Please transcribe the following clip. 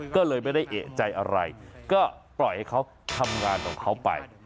ก็เลยไม่ได้เอกใจอะไรก็ปล่อยให้เขาทำงานของเขาไป